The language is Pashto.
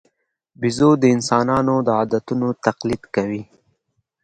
بیزو د انسانانو د عادتونو تقلید کوي.